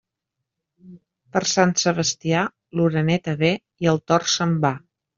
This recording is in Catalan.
Per Sant Sebastià, l'oreneta ve i el tord se'n va.